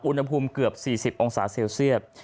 อุณหภูมิเกือบ๔๐องศาเซลเซียต